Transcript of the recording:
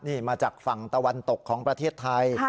นี่มาจากฝั่งตะวันตกของประเทศไทย